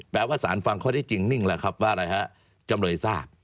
แปลว่าสารฟังเขาได้จริงนิ่งว่าจำเลยทราบ